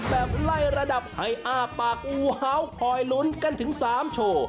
แบบไล่ระดับให้อ้าปากอูฮาวคอยลุ้นกันถึง๓โชว์